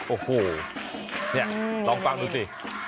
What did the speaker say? โอ้โหนี่ลองฟังดูสิ